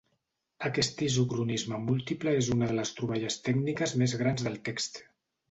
Aquest isocronisme múltiple és una de les troballes tècniques més grans del text.